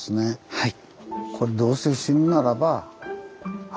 はい。